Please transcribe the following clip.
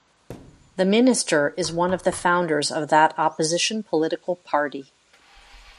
The minister is one of the founders of that opposition political party.